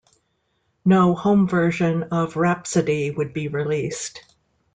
No home version of Rhapsody would be released.